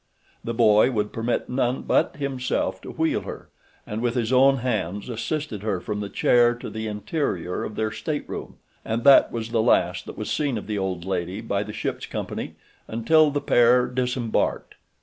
The boy would permit none but himself to wheel her, and with his own hands assisted her from the chair to the interior of their stateroom—and that was the last that was seen of the old lady by the ship's company until the pair disembarked.